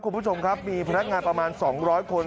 คุณผู้ชมครับมีพนักงานประมาณ๒๐๐คน